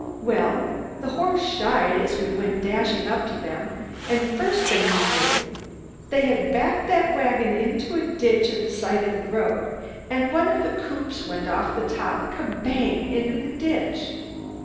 Well, the horses shied as we went dashing up to them, and first thing we knew they had backed that wagon into a ditch at the side of the road, and one of the coops went off the top ke bang! into the ditch."